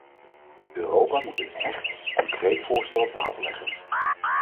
Europa moet een echt, concreet voorstel op tafel leggen.